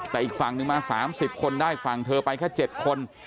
แต่อีกฝั่งนึงมา๓๐คนได้ฝั่งเธอไปแค่๗คน